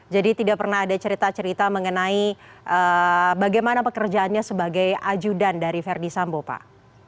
jadi tidak pernah ada cerita cerita mengenai bagaimana pekerjaannya sebagai ajutan dari ferdisambo pak